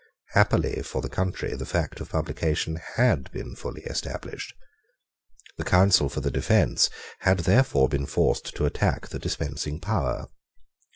Happily for the country, the fact of publication had been fully established. The counsel for the defence had therefore been forced to attack the dispensing power.